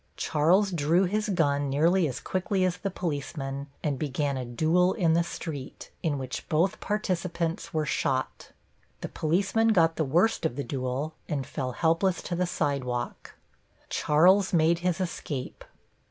Charles drew his gun nearly as quickly as the policeman, and began a duel in the street, in which both participants were shot. The policeman got the worst of the duel, and fell helpless to the sidewalk. Charles made his escape.